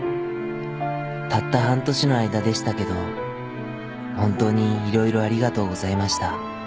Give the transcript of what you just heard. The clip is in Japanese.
たった半年の間でしたけど本当にいろいろありがとうございました。